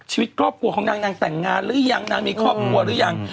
ชีวิตครอบครัวของนางนางแต่งงานหรือยังนางมีครอบครัวหรือยัง